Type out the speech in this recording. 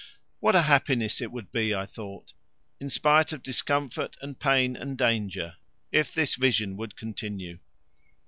What a happiness it would be, I thought, in spite of discomfort and pain and danger, if this vision would continue!